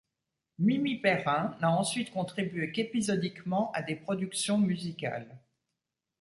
Mimi Perrin n'a ensuite contribué qu'épisodiquement à des productions musicales.